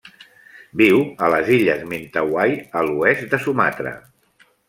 Viu a les illes Mentawai a l'oest de Sumatra.